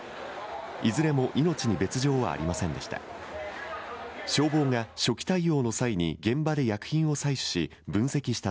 いずれも命に別状はありませんでした。